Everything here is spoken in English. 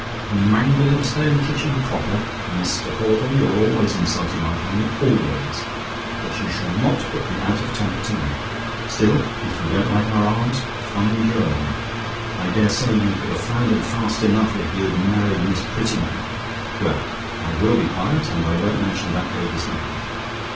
"A MANGLE IN A STONE KITCHEN PROPER? "Mr. Caudle, you're always insulting my family always: but you shall not put me out of temper to night. Still, if you don't like our arms, find your own. I daresay you could have found 'em fast enough, if you'd married Miss Prettyman. Well, I will be quiet; and I won't mention that lady's name.